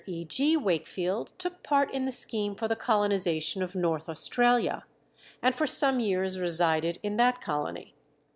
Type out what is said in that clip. E. G. Wakefield took part in the scheme for the colonization of North Australia, and for some years resided in that colony.